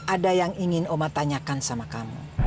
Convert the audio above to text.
ada yang ingin oma tanyakan sama kamu